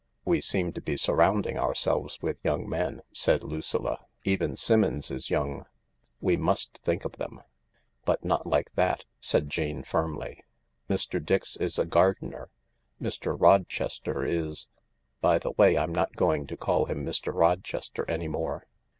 " We seem to be surrounding ourselves with young men," said Lucilla. "Even Simmons is young. We must think of them." "But not like that," said Jane firmly. "Mr. Dix is a gardener. Mr. Rochester is ... By the way, I'm not going to call him Mr. Rochester any more.